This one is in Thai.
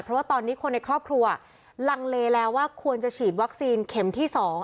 เพราะว่าตอนนี้คนในครอบครัวลังเลแล้วว่าควรจะฉีดวัคซีนเข็มที่๒